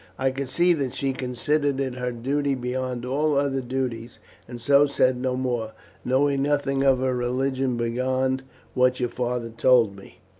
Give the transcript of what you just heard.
"I could see that she considered it her duty beyond all other duties, and so said no more, knowing nothing of her religion beyond what your father told me."